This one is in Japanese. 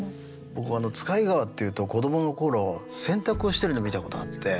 僕「使ひ川」っていうと子どもの頃洗濯をしてるの見たことがあって川で。